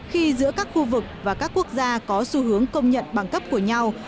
khi giữa các khu vực và các quốc gia có xu hướng công nhận bằng cấp của nhau